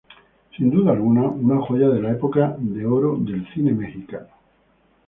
Sin duda alguna, una Joya de la Época de Oro del Cine Mexicano.